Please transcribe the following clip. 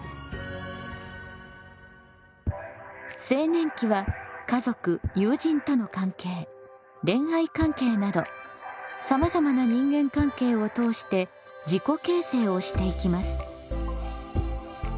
青年期は家族友人との関係恋愛関係などさまざまな人間関係を通して「自己形成」をしていきます。